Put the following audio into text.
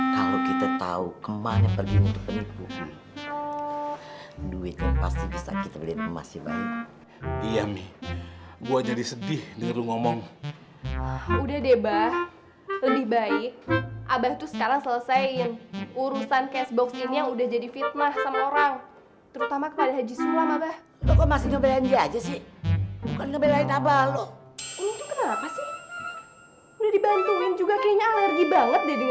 kalau kita tahu kemana pergi untuk penipu